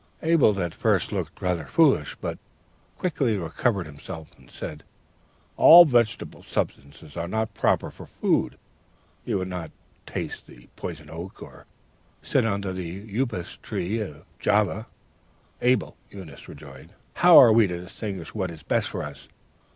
"Abel at first looked rather foolish, but quickly recovering himself, said, "'All vegetable substances are not proper for food: you would not taste the poison oak, or sit under the upas tree of Java.' "'Well, Abel,' Eunice rejoined, 'how are we to distinguish what is best for us?